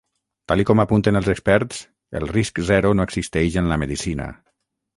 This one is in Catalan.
Tal i com apunten els experts, el risc zero no existeix en la medicina.